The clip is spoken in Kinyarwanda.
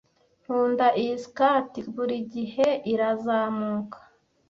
nkunda iyi skirt. Buri gihe irazamuka.